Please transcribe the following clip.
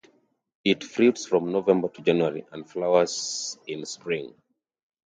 It fruits from November to January and flowers in spring.